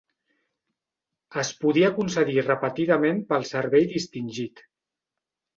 Es podia concedir repetidament pel servei distingit.